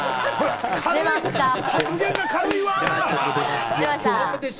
発言が軽い話わ！